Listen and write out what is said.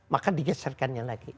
maka digeserkannya lagi